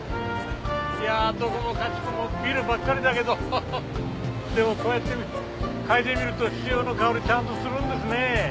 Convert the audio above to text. いやどこもかしこもビルばっかりだけどでもこうやって嗅いでみると潮の香りちゃんとするんですねぇ。